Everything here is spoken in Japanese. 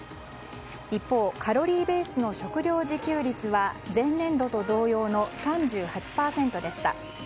一方、カロリーベースの食料自給率は前年度と同様の３８％でした。